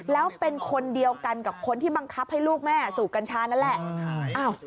แล้วเป็นคนเดียวกันกับคนที่บังคับให้ลูกแม่สูบกัญชานั่นแหละ